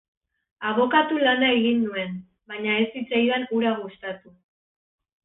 Abokatu lana egin nuen, baina ez zitzaidan hura gustatu.